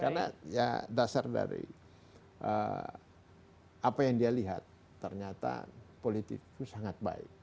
karena ya dasar dari apa yang dia lihat ternyata politik itu sangat baik